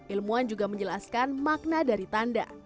ilmuwan juga menjelaskan makna dari tanda